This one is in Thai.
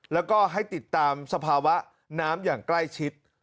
แล้วก็ให้ติดตามสภาวะน้ำอย่างใกล้ชิด